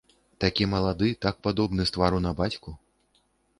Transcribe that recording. Такі малады, так падобны з твару на бацьку.